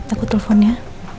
aku telepon ya